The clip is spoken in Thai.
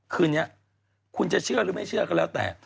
คืนนี้คุณจะเชื่อหรือไม่เชื่อก็แล้วแต่